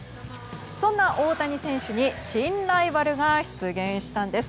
そんな大谷選手に新ライバルが出現したんです。